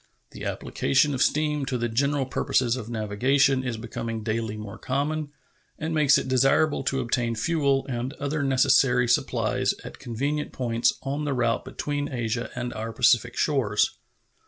The application of steam to the general purposes of navigation is becoming daily more common, and makes it desirable to obtain fuel and other necessary supplies at convenient points on the route between Asia and our Pacific shores.